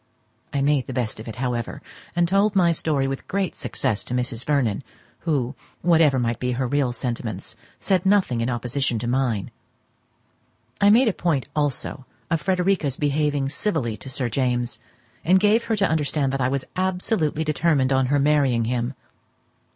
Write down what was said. I made the best of it, however, and told my story with great success to Mrs. Vernon, who, whatever might be her real sentiments, said nothing in opposition to mine. I made a point also of Frederica's behaving civilly to Sir James, and gave her to understand that I was absolutely determined on her marrying him.